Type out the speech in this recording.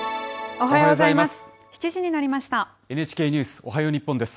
おはようございます。